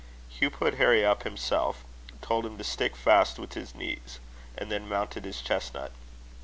Hugh put Harry up himself, told him to stick fast with his knees, and then mounted his chestnut.